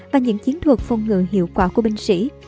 và những chiến thuật phong ngựa hiệu quả của binh sĩ